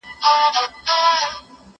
ته سینې څیره له پاسه د مرغانو